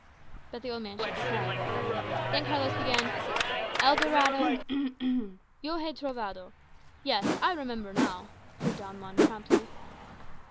But the old man shook his head. Then Carlos began, "'El Dorado '" "'Yo hé trovado.' Yes, I remember now," said Don Juan promptly.